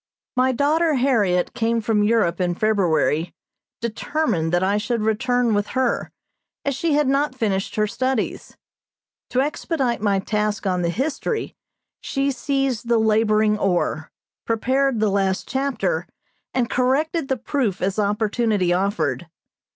My daughter Harriot came from Europe in February, determined that I should return with her, as she had not finished her studies. To expedite my task on the History she seized the laboring oar, prepared the last chapter and corrected the proof as opportunity offered.